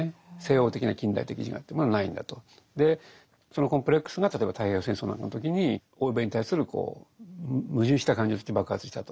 そのコンプレックスが例えば太平洋戦争などの時に欧米に対する矛盾した感情として爆発したと。